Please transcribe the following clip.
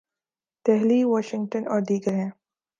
Delhi, Washington اور ''دیگر" ہیں۔